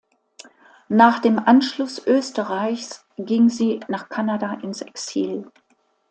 Nach dem Anschluss Österreichs ging sie nach Kanada ins Exil.